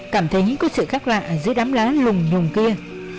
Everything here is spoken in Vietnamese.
cảm thấy có sự khác lạ giữa đám lá lùng nhùng kia